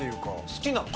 好きなの？